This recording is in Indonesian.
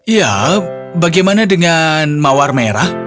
ya bagaimana dengan mawar merah